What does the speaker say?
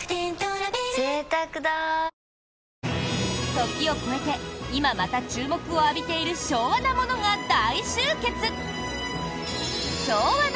時を越えて今、また注目を浴びている昭和なものが大集結！